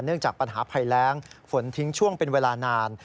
เนื่องจากปัญหาไพแรงฝนทิ้งช่วงเป็นเวลานาน